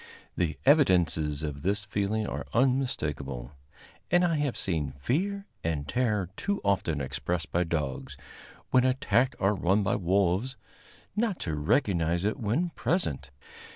The evidences of this feeling are unmistakable, and I have seen fear and terror too often expressed by dogs, when attacked or run by wolves, not to recognize it when present.